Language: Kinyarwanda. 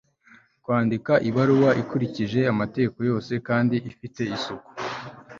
kwandika ibaruwa ikurikije amategeko yose kandi ifite isuku